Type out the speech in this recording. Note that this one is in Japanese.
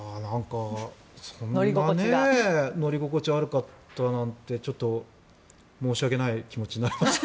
そんなに乗り心地が悪かったなんてちょっと申し訳ない気持ちになります。